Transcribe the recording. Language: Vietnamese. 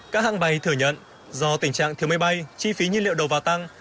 các hãng bay thừa nhận do tình trạng thiếu máy bay chi phí nhiên liệu đầu vào tăng